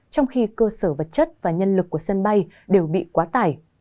trong khi cơ sở vật chất và nhân lực của sân bay đều bị quá tải